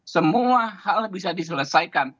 semua hal bisa diselesaikan